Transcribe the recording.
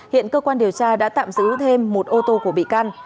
hiện cơ quan điều tra đã tạm giữ thêm một ô tô của bị can